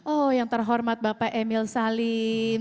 oh yang terhormat bapak emil salim